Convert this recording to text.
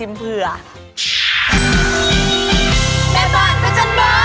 โอเคค่ะส์